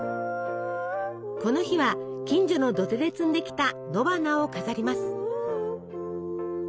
この日は近所の土手で摘んできた野花を飾ります。